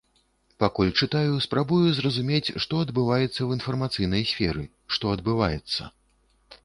Пакуль чытаю, спрабую зразумець што адбываецца ў інфармацыйнай сферы, што адбываецца.